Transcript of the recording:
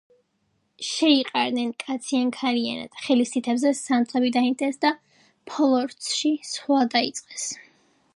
შეიყარნენ კაციან-ქალიანად, ხელის თითებზე სანთლები დაინთეს და ფოლორცში სვლა დაიწყეს